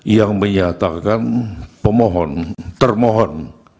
yang menyatakan pemohon termohon